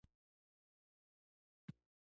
ځینې محصلین د ارام ځایونو لټه کوي.